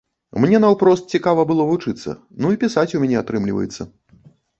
Мне наўпрост цікава было вучыцца, ну і пісаць у мяне атрымліваецца.